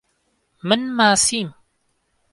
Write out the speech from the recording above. من ماسیم.